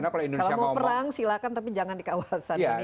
kalau mau perang silahkan tapi jangan di kawasan ini